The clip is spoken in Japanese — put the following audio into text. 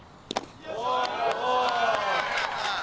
お！